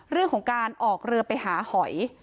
เรื่องของการออกเรือไปหาหอย